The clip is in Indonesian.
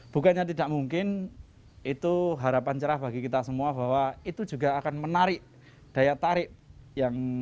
bukannya tidak mungkin itu harapan cerah bagi kita semua bahwa itu juga akan menarik daya tarik yang